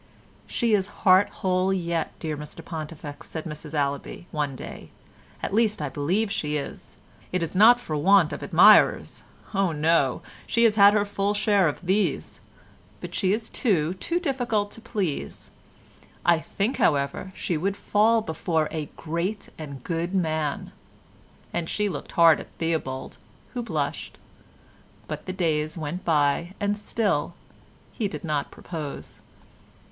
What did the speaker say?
"She is heart whole yet, dear Mr Pontifex," said Mrs Allaby, one day, "at least I believe she is. It is not for want of admirers—oh! no—she has had her full share of these, but she is too, too difficult to please. I think, however, she would fall before a great and good man." And she looked hard at Theobald, who blushed; but the days went by and still he did not propose.